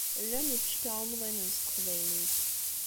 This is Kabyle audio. Llan yifecka umḍinen s teqbaylit.